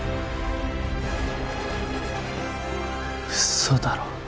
嘘だろ？